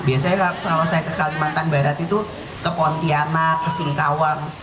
biasanya kalau saya ke kalimantan barat itu ke pontianak ke singkawang